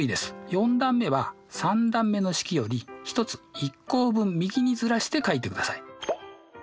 ４段目は３段目の式より１つ１項分右にずらして書いてください。